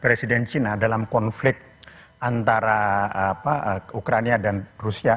presiden china dalam konflik antara ukraina dan rusia